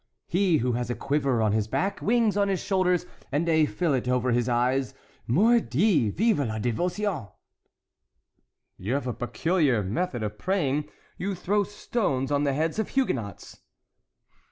He who has a quiver on his back, wings on his shoulders, and a fillet over his eyes. Mordi, vive la dévotion!" "You have a peculiar method of praying; you throw stones on the heads of Huguenots."